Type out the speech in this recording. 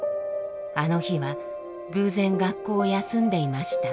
あの日は偶然学校を休んでいました。